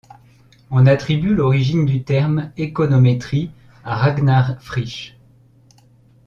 On attribue l'origine du terme économétrie à Ragnar Frisch.